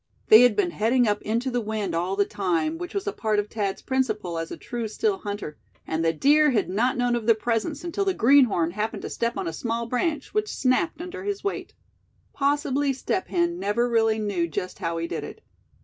They had been heading up into the wind all the time, which was a part of Thad's principle as a true still hunter; and the deer had not known of their presence until the greenhorn happened to step on a small branch, which snapped under his weight. Possibly Step Hen never really knew just how he did it.